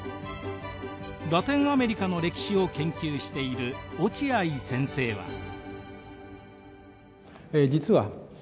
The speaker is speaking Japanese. ラテンアメリカの歴史を研究している落合先生は。